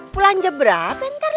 pulang jebra bentar lo